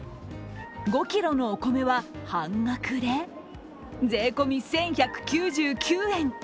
５ｋｇのお米は半額で税込み１１９９円。